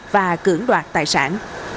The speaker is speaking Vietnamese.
và cưỡng đoạt tài sản